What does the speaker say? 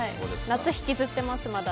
夏、引きずってます、まだ。